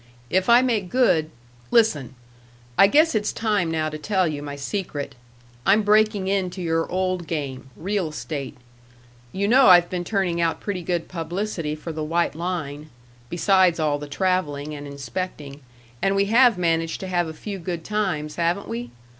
If I make good Listen: I guess it's time now to tell you my secret. I'm breaking into your old game, real estate. You know I've been turning out pretty good publicity for the White Line, besides all the traveling and inspecting, and we have managed to have a few good times, haven't we?